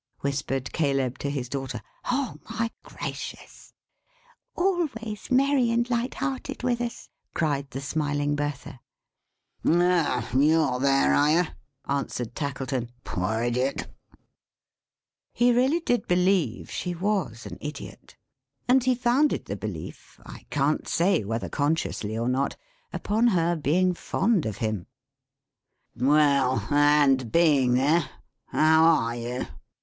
whispered Caleb to his daughter. "Oh, my gracious!" "Always merry and light hearted with us!" cried the smiling Bertha. "Oh! you're there, are you?" answered Tackleton. "Poor Idiot!" He really did believe she was an Idiot; and he founded the belief, I can't say whether consciously or not, upon her being fond of him. "Well! and being there, how are you?"